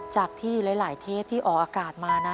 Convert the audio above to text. จากที่หลายเทปที่ออกอากาศมานะ